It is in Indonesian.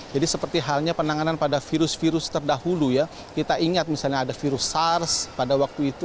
jadi seperti halnya penanganan pada virus virus terdahulu ya kita ingat misalnya ada virus sars pada waktu itu